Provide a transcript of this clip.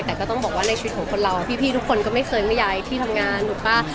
แต่ก็ต้องบอกว่าในชีวิตของคนเราพี่ทุกคนก็ไม่เคยไม่ย้ายที่ทำงานถูกป่ะ